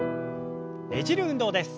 ねじる運動です。